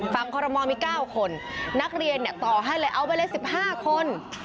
ฟังคอรมมอมมีเก้าคนนักเรียนเนี่ยต่อให้เลยเอาไปเลยสิบห้าคน